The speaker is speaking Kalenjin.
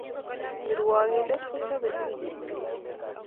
Kiwrakindek kochape tuiyet kila